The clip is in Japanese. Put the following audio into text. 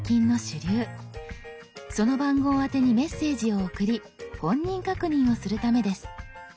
その番号宛てにメッセージを送り本人確認をするためです。